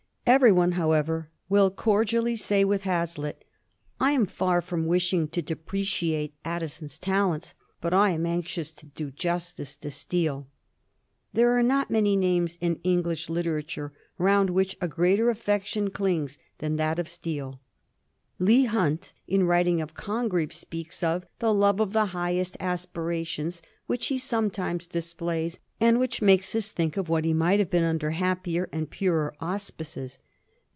Every one, however, will cordially say, with Hazlitt, ^ I am far fix)m wishing to depreciate Addison's talents, but I am anxious to do justice to Steele.' There are not many names in English literature round which a greater affection clings than that of Steele. Leigh Hunt, in writing of Congreve, speaks of * the love of the highest aspirations ' which he sometimes displays, and which makes us think of what he might have been under happier and purer auspices.